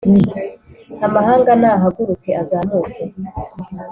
Amahanga nahaguruke, azamuke,